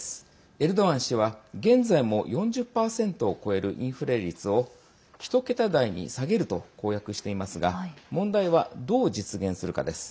エルドアン氏は、現在も４０％を超えるインフレ率を１桁台に下げると公約していますが問題は、どう実現するかです。